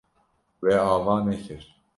We ava nekir.